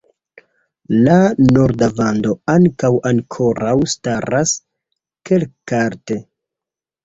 La norda vando ankaŭ ankoraŭ staras kelkalte.